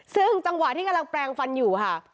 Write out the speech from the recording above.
ซึ่งจังหวะที่กำลังแปลงฟันอยู่ค่ะ